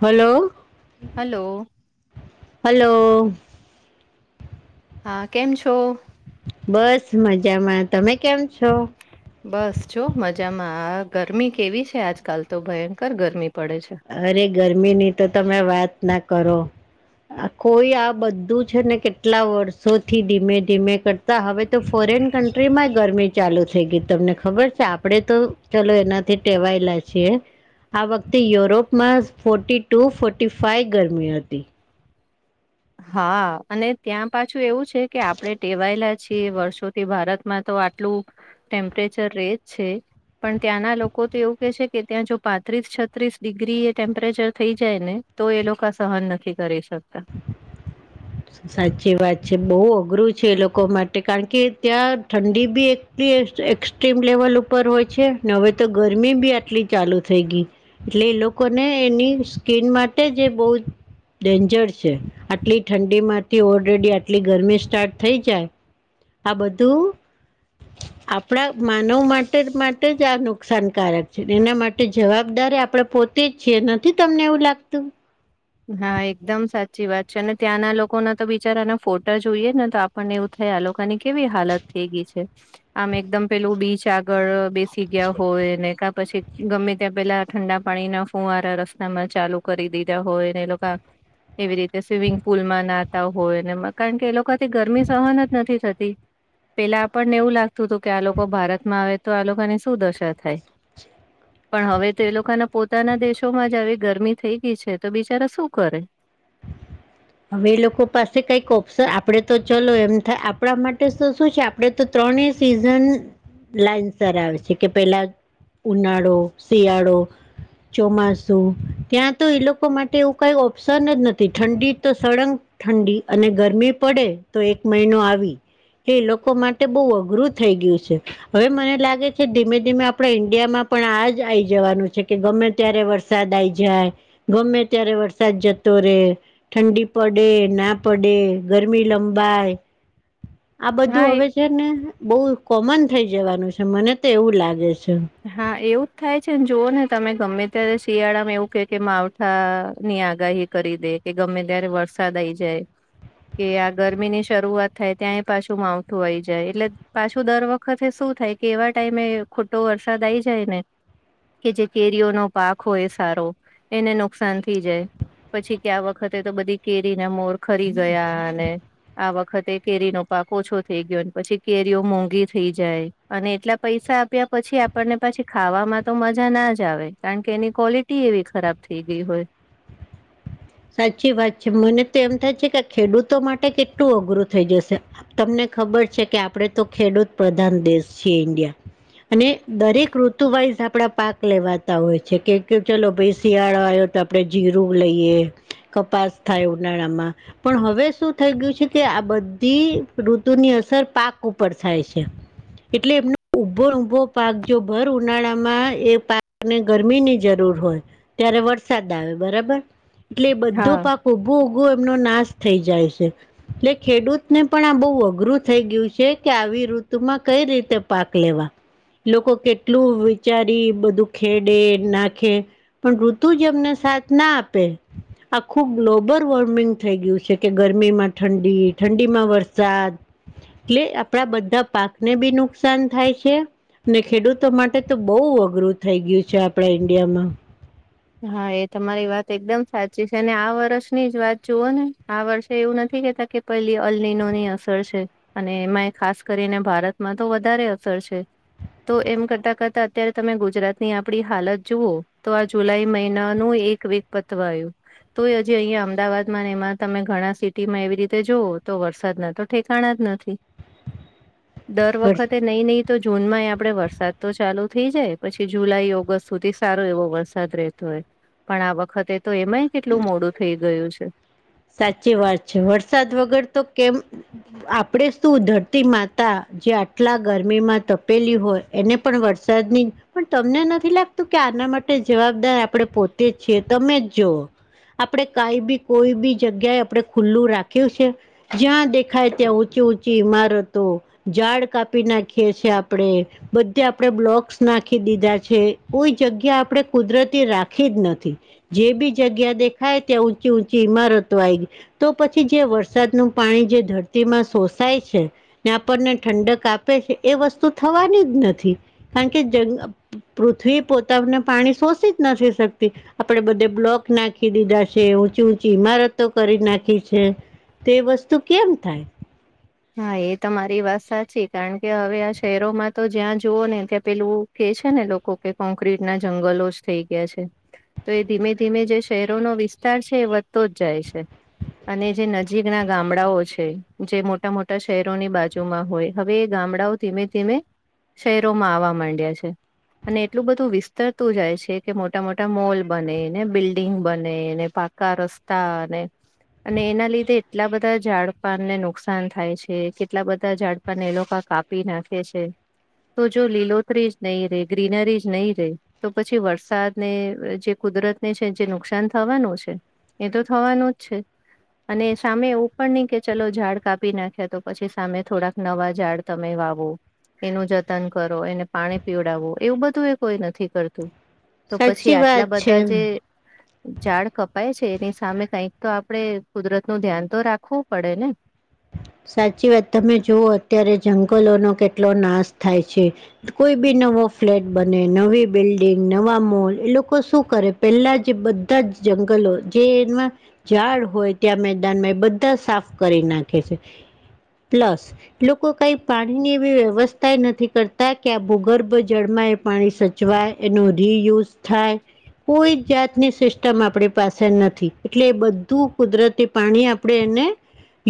હાલો, hello hello. હા, કેમ છો? બસ મજામાં તમે કેમ છો? બસ, જો મજામાં ગરમી કેવી છે આજકાલ તો ભયંકર ગરમી. પડે છે અરે ગરમીની તો તમે વાત ના કરો. કોઈ આ બધું છે ને કેટલા વર્ષોથી ધીમે ધીમે કરતા હવે તો ફોરેન કન્ટ્રીમાં ગરમી ચાલુ થઈ ગઈ તમને ખબર છે આપડે તો ચાલો એનાથી ટેવાયલા છીએ. આ વખતે યો યુરોપમાં ફોર્ટી ટુ ફોર્ટી ફાઇ ગરમી હતી. હા, અને ત્યાં પાછું એવું છે કે, આપણે ટેવાયેલા છીએ વર્ષોથી ભારતમાં તો આટલું, ટેમ્પરેચર રે જ છે. પણ ત્યાંના લોકો તો એવું કે છે કે ત્યાં જો પાંત્રીસ, છત્રીસ ડિગ્રી એ ટેમ્પરેચર થઈ જાય ને તો એ લોકો સહન નથી કરી શકતા. [inaudible] સાચી વાત છે. બહુ અઘરું છે એ લોકો માટે કારણ કે, ત્યાં ઠંડી બી એક એક્સ્ટ્રીમ લેવલ ઉપર હોય છે ને હવે તો ગરમી બી આટલી ચાલુ થઈ ગઈ એટલે એ લોકોને એની સ્કીિન માટે જે બહુ ડેન્જર છે. આટલી ઠંડીમાંથી ઓલરેડી આટલી ગરમી સ્ટાર્ટ થઈ જાય આ બધું આપણા માનવ માટે માટે જ આ નુકસાનકારક છે. એના માટે જવાબદાર અયારે આપડે પોતે જ છીએ નથી તમને એવું લાગતું? હા, એકદમ સાચી વાત છે અને ત્યાંના લોકો ના તો બિચારાના ફોટા જોઈએ ને તો આપણને એવું થાય આ લોકોની કેવી હાલત થઈ ગઈ છે. આમ એકદમ પેલું બીચ ગળ બેસી ગયા હોય, ને કા પછી ગમે ત્યાં પેલા ઠંડા પાણીના ફૂવારા રસ્તામાં ચાલુ કરી દીધા હોય ને એ લોકા એવી રીતે સ્વિમિંગ પુલમાં નાતા હોય ને કારણ કે એ લોકોથી ગરમી સહન જ નથી થતી. પેલા આપણને એવું લાગતું હતું કે, આ લોકો ભારતમાં આવે તો આ લોકોને શું દશા થાય. પણ હવે તો એ લોકોના પોતાના દેશોમાં જ આવી ગરમી થઈ ગઈ છે તો બીજ ચારા શું કરે? હવે એ લોકો પાસે કઈક ઓપ્શન આપડે તો ચલો એમ થાય આપણા માટે તો શું શું છે. આપડે તો ત્રણ ત્રણેય સિઝન લાઇન સર આવે છે કે પેલા- ઉનાળો, શિયાળો ચોમાસું. ત્યાં તો એ લોકો માટે એવું કઈ ઓપ્શન જ નથી ઠંડી તો સળંગ ઠંડી અને ગરમી પડે તો એક મહિનો આવી. એ લોકો માટે બહુ અઘરું થઈ ગયું છે. હવે મને લાગે છે ધીમે ધીમે આપણા ઈન્ડિયામાં પણ આજ આઈ જવાનું છે કે ગમે ત્યારે વરસાદ આઈ જાય. ગમે ત્યારે વરસાદ જ તોરેે ઠંડી પડે ના પડે ગરમી લંબાય. આ હા બધું હવે છે ને બહુ કોમન થઈ જવાનું છે મને તો એવું લાગે છે. હા, એવું જ થાય છે ને જોઓ ને તમે ગમે ત્યારે શિયાળામાં એવું કે, કે માવઠાની આગાહી કરી દે કે ગમે ત્યારે વરસાદ થઈ જાય. કે આ ગરમીની શરૂઆત થાય ત્યાંય પાછું માવઠું આઈ જાય. એટલે પાછું દર વખતે શું શું થાય કે એવા ટાઈમે ખોટો વરસાદ આઈ જાય ને કે જે કેરીઓનો પાક હોય સારો એને નુકસાન થઈ જાય. પછી ક્યા વખતે તો બધી કેરી ના મોર ખરી ગયા અને આ વખતે કેરીનો પાક ઓછો થઈ ગયો પછી કેરીઓ મોંઘી થઈ જાય અને એટલા પૈસા આપ્યા પછી આપણને પાછી ખાવામાં તો મજા ના જ આવે કારણ કે એની ક્વોલિટી એવી ખરાબ થઈ ગઈ હોય [inaudible] સાચી વાત છે મને તો એમ થાય છે કે ખેડૂતો માટે કેટલું અઘરું થઈ જશે તમને ખબર છે કે આપડણે તો ખેડૂત પ્રધાન દેશ છીએ ઇન્ડિયા અને દરેક ઋતુ વાઈઝ આપડા પાક લેવાતા હોય છે કે ચલો ભાઈ શિયાળો આવ્યો તો આપણે જીરું લઈએ કપાસ થાય ઉનાળામાં પણ હવે શું થઈ ગયું છે કે આ બધી ઋતુની ની અસર પાક ઉપર થાય છે એટલે એમનો ઉભો ઉભો પાક જો ભર ઉનાળા માં એ પાકને ગરમી ની જરૂર હો ત્યારે વરસાદ આવે બરાબર એટલે એ બધો હા પાક ઉભો ઉભો એમનો નાશ થઈ જાય છે. એટલે ખેડૂતને પણ આ બહુ અઘરું થઈ ગયું છે કે આવી ઋતુમાં કઈ રીતે પાક લેવા. લોકો કેટલું વિચારી બધું ખેડે, નાખે પણ ઋતુ જમને સાથ ના આપેલ આખુ ગ્લોબલ વોર્મિંગ થઈ ગયું છે કે ગરમીમાં ઠંડી ઠંડીમાં વરસાદ એટલે આપણા બધા પાકને બી નુકસાન થાય છે ને ખેડૂતો માટે તો બહુ અઘરું થઈ ગયું છે આપડા ઈન્ડિયામાં. હા એ તમારી વાત એકદમ સાચી છે અને આ વર્ષની જ વાત જુઓ ને આ વર્ષે એવું નથી તા કે પેલી અલનીનોની અસર છે અને એમાં ખાસ કરીને ભારતમાં તો વધારે અસર તો એમ કરતા કરતા અત્યારે તમે ગુજરાતની આપડી હાલત જુઓ તો આ જુલાઈ મહિનાનુંનુ એક વેગ પત્વ આવું તોય હજી અહીિયાયા અમદાવાદમાં એમાં તમે ઘણા સિટીમાં એવી રીતે જુઓ તો વરસાદ ના તો ઠેકાણા નથી હ દર વખતે નહી નહી તો જૂનમાં આપડે વરસાદ તો ચાલુ થઇ જાય પછી જુલાઈ ઓગસ્ટ સુધી સારો એવો વરસાદ રહેતો હોય પણ આ વખતે તો એમાંય કેટલું મોડું થઈ ગયું છે સાચી વાત છે વરસાદ વગર તો કેમ આપડે શું ધરતી માતા જે આટલા ગરમીમાં તપેલી હોય એને પણ વરસાદ નની પણ તમને નથી લાગતું કે આના માટે જવાબદાર આપણેે પોતે જ છીએ તમે જ જોવ આપણે કઈ બી કોઈ બી જગ્યાએ આપડે ખુલ્લું રાખ્યું છે જ્યાં દેખાય ત્યાં ઊંચી ઊંચી ઈમારતો ખાડ કાપી નાખીએ છેીએ આપડણે બધે આપડે બ્લોક્સ નાખી દીધા છે કોઈ જગ્યા જ આપણે કુદરતી રાખી જ નથી જે બી જગ્યા દેખાય ત્યાં ઊંચી ઊંચી ઇમારત તો પછી જે વરસાદનુંનુ પાણી જે ધરતીમાં સોષાય છે ને આપણને ઠડક આપે છે એ વસ્તુ થવાની જ નથી કારણ કે પૃથ્વી પોતાનું પાણી શોષી જ નથી શકતી આપે બધે બ્લોક નાખી દીધા છે ઊંચી ઊંચી ઇમારત કરી નાખી છે તે વસ્તુ કેમ થાય હા એ તો મારી વાત સાચી કારણ કે હવે આ શહેરોમાં તો જ્યાં જુઓ ને ત્યાં પેલું છે ને લોકો કે કોંક્રીટ ના જંગલો જ થઈ ગયા છે તો એ ધીમે ધીમે જે શહેરોનો વિસ્તાર છે એ વધતો જ જાય છે અને જે નજીક ના ગામડાઓ છે જે મો મોટા મોટા શહેરોની બાજુમાં હોય હવે એ ગામડાઓ ધીમે ધીમે શહેરોમાં આવવા માંડ્યા છે અને એટલું બધું વિસ્તરતું જાય છે કે મોટા મોટા મોલ બનેને બિલ્ડીિંગ બનેને રસ્તા એના લીધે એટલા બધા ઝડપાનને નુકાન નુકસાન થાય છે કેટલા બધા ઝાડ પરને એ લોકો કાપી નાખે છે તો જો લીલોતરી જ નહીં રે ગ્રીનરી જ નહીં રે તો પછી વરસાદ ને જે કુદરત ને છે જે નુકસાન થવાનું છે એ તો થવાનો જ છે અને સામે એવું પણ નહી કે ચલો ઝાડ કાપ આપી નાખ્યા તો પછી, સામે થોડાક નવા ઝાડ તમે વાવો એનું, જતન કરો એને પાણી પીવડાવો એવું બધું એ કોઈ નથી, કરતુ તો પછી સાચી વાત આટલા છે બધા, જે ઝાડ કપાય છે. એની સામે કઈક, તો આપડે કુદરત નું ધ્યાન તો રાખવું પડે ને સાચી વાત તમે જોુવ, અત્યારે જંગલો નો કેટલો નાશ થાય છે, કોઈ નવો ફ્લેટ બને નવી, બિલ્ડિંગ નવા મોલ એ લોકો શું કરે પહેલા જે બધા જ જગલો જે, એમાં ઝાડ હોય, ત્યાં મેદાનમાં બધા સાફ કરી નાખે કે છે. પ્લસ, લોકો કઈ પાણીની એવી વ્યવસ્થા નથી. કરતા કે આ ભૂગર્ભ જળમા પાણી સચવાય એનો રિયુઝ, થાય. કોઈ, જાતની સિસ્ટમ આપણી પાસે નથી એટલે એ બધું કુદરતી પાણી, આપણે ને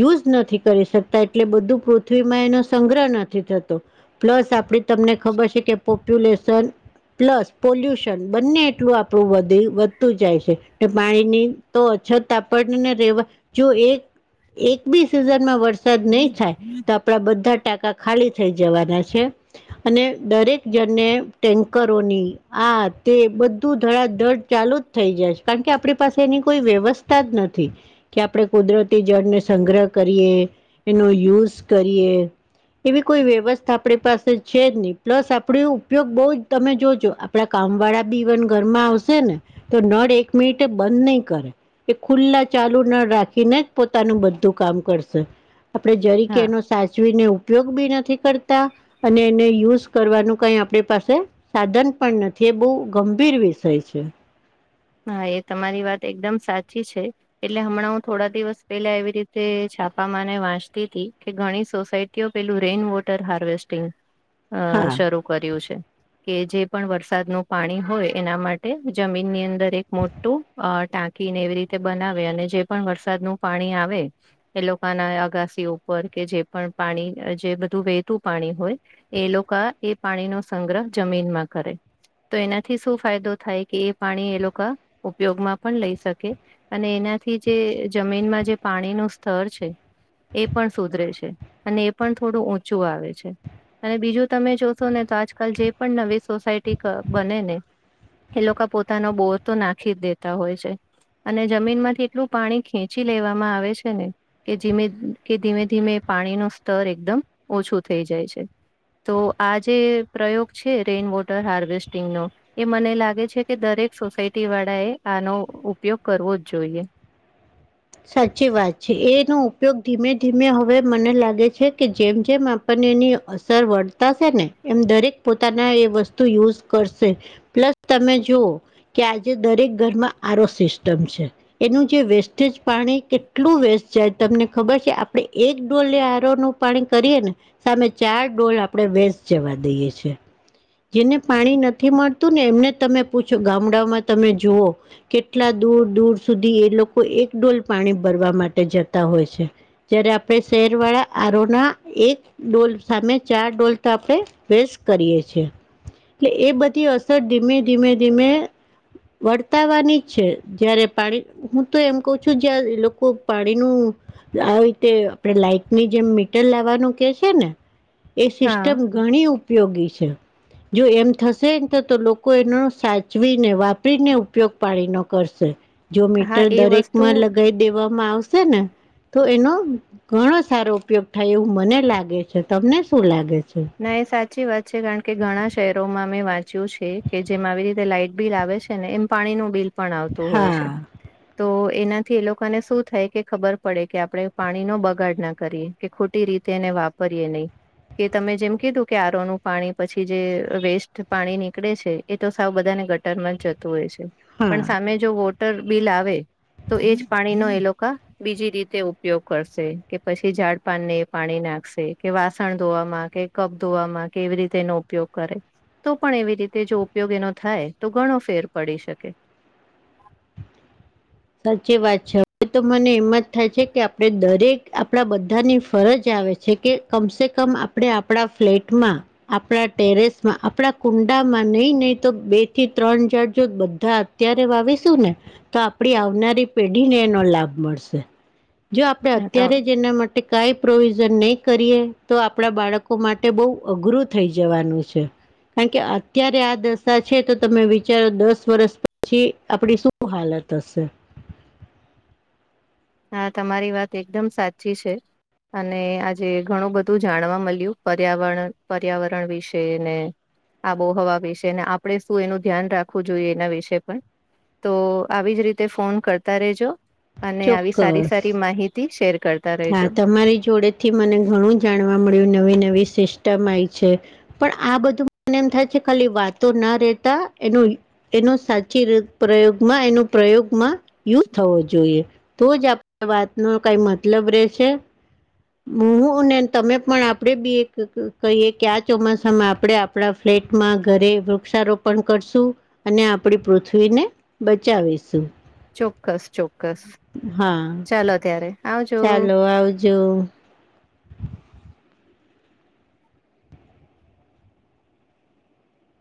યુઝ નથી કરી શકતા એટલે બધું પૃથ્વીમાં એનો સંગ્રહ નથી થતો પ્લસ આપ તમને ખબર છે કે પોપ્યુલેશન પ્લસ પોલ્યુશન બંને એટલું આપણું વધતું જાય છે પાણીની તો જ છત આપણને રહેેવા જો એક એક બી સિઝનમાં વરસાદ નહીં થાય તો આપણા બધા ટાંકા ખાલી થઈ જવાના છે અને દરેક જણને ટેન્કર ધધડ ચાલુ જ થઈ જશે કારણ કે આપણી પાસે એની કોઈ વ્યવસ્ તા જ નથી, કે આપડણે કુદરતી જળને સંગ્રહ કરીએ, એનો યુઝ કરીએ એવી કોઈ, વ્યવસ્થા આપણી પાસે છે જ નહી. પ્લસ આપડ ઉપયોગ બહુ જ તમે જોજો આપડા ક આમ, વાળા બીવન ઘરમાં આવશે ને તો નળ એક મિનિટે, બંધ નહી, કરે એ ખુલ્લા, ચાલુ ન રાખીને જ પોતાનું બધુ કામ કરશે, આપણે જરીકે, હા એનો સાચવીને ઉપયોગ બી નથી, કરતા અને એને યુઝ કરવાનુ, કઈ આપણી પાસે સાધન પણ નથી. એ, બહુ ગંભીર વિષય છે. હા, એ તમારી વાત એકદમ સાચી છે, એટલે હમણાં હું થોડા દિવસ પેલા એ રીતે છાપામાને વાંચતી હતી, કે ઘણી સોસાયટીઓ પેલું રેઇન વોટર હાર્વેસ્ટિંગ અ હા શરૂ કર્યું છે. કે જે પણ વરસાદનું પાણી હોય, એના માટે જમીનની અંદર મોટું ટાંકીને એવી રીતે બનાવે, અને જે પણ વરસાદનુંું પાણી આવે એ ના અગાસી ઉપર, કે જે પણ પાણી જે બધું વહેતું પાણી હોય, એ લોકો એ પાણીનો સંગ્રહ જમીનમા, કરે તો એનાથી શું ફાયદો થાય કે એ પાણી એ લોકો ઉપયોગમા પણ લઈ, શકે અને એનાથી જે જમીનમાં જે પાણીનુંું સ્તર છે. એ પણ સુધરે છે, અને એ પણ થોડું ઊંચું આવે છે. અને બીજુ, તમે જોશો ને તો આજકાલ જે પણ નવી સોસાયટી બને ને એ લોકો પોતાનો, બોર તો નાખી દેતા હોય છે. અને જમીન માંથી એટલું પાણી ખેંચી લેવામાં આવે છે, ને કે ધીમે કે ધીમે ધીમે પાણી, ન સ્તર એકદમ ઓછું થઈ જાય છે. તો આ જે પ્રયોગ છે, રેઈન વોટર હાર્વેસ્ટિંગનો એ મને લાગે છે, કે દરેક દ સોસાયટી વાળા, એ આનો ઉપયોગ કરવો જ જોઈએ સાચી વાત છે, એનો ઉપયોગ ધીમે ધીમે હવે મને લાગે છે, કે જેમ જેમ આપને ની અસર વતા, ને એમ દરેક પોતાના એ વસ્તુ યુઝ કરશે પ્લસ તમે જુવ કે આજે દરેક ઘરમાં આરો સિસ્ટમ છે, એનું જે વેસ્ટેજ પાણી, કેટલું વેસ્ટ જાય તમને ખબર છે, આપડણે એક ડોલ આરો નું પાણી કરીએ ને સામે ચાર ડોલ આપડે વે જવા દઈએ છે. જેને પાણી નથી, મળતું ને એમને તમે પૂછો ગામડામાં તમે જુઓ કેટલા દૂર, દૂર સુધી એ લોકો એક ડોલ પાણી ભરવા માટે જતા હોય છે, જયારે આપણે શહેર વાળા આરો ના એક ડોલ સામે ચાર ડોલ તો આપણેે વેસ કરીએ છીએ. એટલે એ બધી અસર ધીમે, ધીમે, ધીમે. વર્તાવાની છે, જયારે પાણી હું તો એમ. છું, જ્યાં એ લોકો પાણી ન આ રીતે આપણે લાઈટની જેમ મીટર લાવવાનું કે ને એ હા સિસ્ટમ ઘણી ઉપયોગી છે. જો એમ થશેને તો લોકો એનો સાચવીને વાપરીને ઉપયોગ પાણીનો કરશે. જો હા મીટર એ દરેક વસ્તુ માં લગાવી દેવામાં આવશે ને તો એનો ઘણો સારો ઉપયોગ થાય એવું મને લાગે છે, તમને શું લાગે છે. ના એ સાચી વાત છે, કારણ કે ઘણા શહેરોમાં અમે વાંચ. કે જેમ આવી રીતે લાઈટ બિલ આવે છે, ને એમ પાણી નું બિલ. પણ આવતું હોય છે, હા તો એનાથી, એ લોકોને શું થાય. કે ખબર પડે કે આપણે પાણીનો બગાડ ના કરીએ કે ખોટી રીતે એને વાપરીએ નહી [unintelligible] કે [inaudible] તમે જેમ કીધું કે આરોનું પાણી પછી જે વેસ્ટ પાણી નીકળે છે, એ તો સાવ બધાને ગટર જતું હોય છે, હા પણ સામે જો વોટર બિલ આવે તો એજ પાણીનો એ લોકો બીજી, રીતે ઉપયોગ કરશે કે પછી ઝાડ પાન ને પાણીના કે વાસણ ધોવામાં કે કપ ધોવામાં કેવી રીતે એનો ઉપયોગ કરે. તો પણ એવી રીતે જો ઉપયોગીનો થાય તો ઘણો ફેર પડી શકે. સાચી વાત છે. તો મને એમ જ થાય છે, કે આપણે દરેક આપણા બધાની ફરજ આવે છે, કે કમસે કમ. આપ આપણા ફ્લેટમાં આપણા ટેરેસમાં આપણા કુંડામાં નહી નહીં તો બે બે થી ત્રણ હાર જો બધા અત્યારે વાવીશું ને તો, આપડી આવનારી પેઢીને એનો લાભ મળશે. જો આપડે અત્યારે જેના માટે કાઈ પ્રોવિઝન. નહીં કરીએ તો આપડા બાળકો માટે બહ અઘરું થઈ જવાનું છે. કારણ કે અત્યારે આ દશા છે, તો તમે વિચારો દસ વર્ષ પછી આપડી શું હાલત હશે. દશે. હા તમારી વાત એકદમ સાચી છે. અને આજે ઘણું બધું જાણવા મળ્યું પર્યાવરણ પર્યાવરણ વિશે ને આબોહવા વિશે આપણે શું એનું ધ્યાન રાખવું જોઈએ, એના વિશે પણ તો આવી જ રીતે ફોન કરતા રેજો. અને આવી સારી ચોક્કસ સારી માહિતી શેર કરજો. હા તમારી જોડે થી મને ઘણું જાણવા મળ્યું નવીન. કોઈ સિસ્ટમ‌ આવી છે, પણ આ બધું મને એમ થાય છે, ખાલી વાતો ના રે તા એનું. એ સાચી પ્રયોગમાં એનો પ્રયોગમાં યુઝ થવો જોઈએ, તો જ વાત ન કંઈ મતલબ રહેેશે. હું ને તમે પણ આપડે બી એક કહીએ કે આ ચોમાસામાં આપડે આપણા પેટમાં ઘરે વૃક્ષારોપણ કરશું, અને આપડી પૃથ્વીને બચાવીશું. ચોક્કસ ચોક્કસ હા ચાલો અત્યારે. ચાલો આવજો.